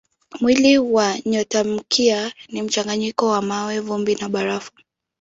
Mwili wa nyotamkia ni mchanganyiko wa mawe, vumbi na barafu.